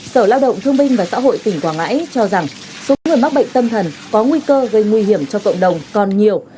sở lao động thương minh và xã hội tỉnh quảng ngãi cho rằng số người mắc bệnh tâm thần có nguy cơ gây nguy hiểm cho cộng đồng còn nhiều